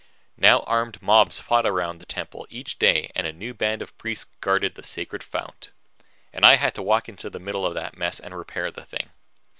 Now armed mobs fought around the temple each day and a new band of priests guarded the sacred fount. And I had to walk into the middle of that mess and repair the thing.